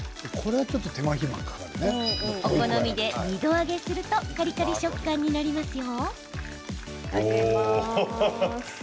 お好みで２度揚げするとカリカリ食感になりますよ。